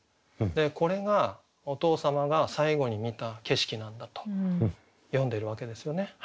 これがお父様が最後に観た景色なんだと詠んでるわけですよね。